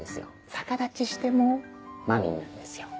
逆立ちしてもまみんなんですよ。